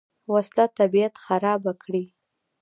وسله طبیعت خرابه کړي